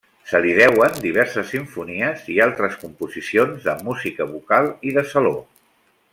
Se li deuen diverses simfonies i altres composicions de música vocal i de saló.